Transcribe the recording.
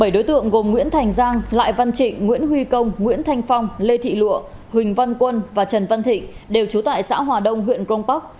bảy đối tượng gồm nguyễn thành giang lại văn trịnh nguyễn huy công nguyễn thanh phong lê thị lụa huỳnh văn quân và trần văn thịnh đều trú tại xã hòa đông huyện crong park